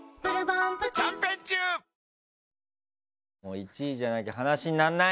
１位じゃなきゃ話にならない！